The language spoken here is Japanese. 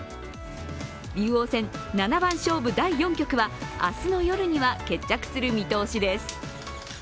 竜王戦七番勝負第４局は明日の夜には決着する見通しです。